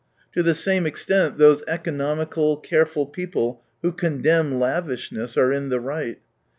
To the same extent those economical, careful peo ple who condemn lavishness are in the right.